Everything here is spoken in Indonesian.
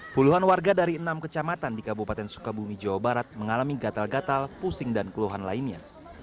puluhan warga dari enam kecamatan di kabupaten sukabumi jawa barat mengalami gatal gatal pusing dan keluhan lainnya